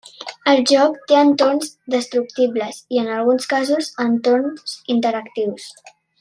El joc té entorns destructibles i, en alguns casos, entorns interactius.